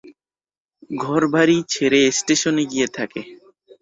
ঘরবাড়ি ছেড়ে স্টেশনে গিয়ে থাকে।